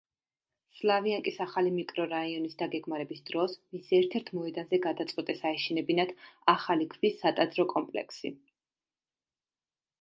სლავიანკის ახალი მიკრორაიონის დაგეგმარების დროს, მის ერთ-ერთ მოედანზე, გადაწყვიტეს აეშენებინათ ახალი ქვის სატაძრო კომპლექსი.